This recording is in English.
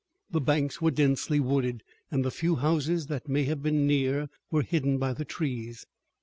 The banks were densely wooded, and the few houses that may have been near were hidden by the trees.